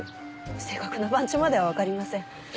正確な番地まではわかりません。